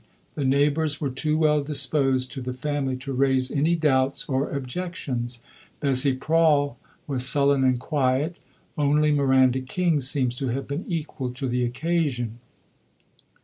The neighbours were too well disposed to the family to raise any doubts or objections; Bessie Prawle was sullen and quiet; only Miranda King seems to have been equal to the occasion.